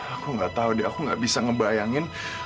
aku gak tau deh aku gak bisa ngebayangin